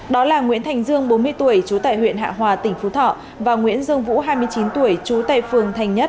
đó là nguyễn thành dương bốn mươi tuổi trú tại huyện hạ hòa tỉnh phú thọ và nguyễn dương vũ hai mươi chín tuổi trú tại phường thành nhất